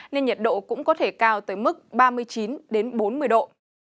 nên nhiệt độ cũng có thể cao tới mức ba mươi chín ba mươi năm độ